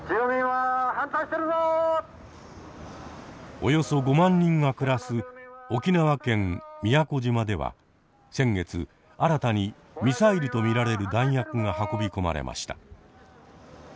およそ５万人が暮らす沖縄県宮古島では先月新たにミサイルと見られる弾薬が運び込まれました。